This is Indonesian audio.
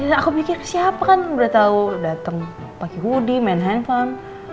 aku mikir siapa kan udah tau dateng pake hoodie main handphone